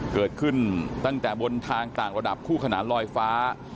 เกิดขึ้นตั้งแต่บนทางต่างระดับคู่ขนานลอยฟ้า